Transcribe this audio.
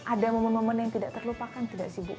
ada momen momen yang tidak terlupakan tidak sih bu